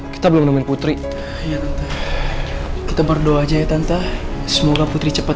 kita belum menemui putri kita berdoa aja ya tante semoga putri cepat